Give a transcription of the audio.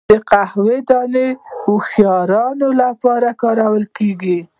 د قهوې دانه د هوښیارۍ لپاره وکاروئ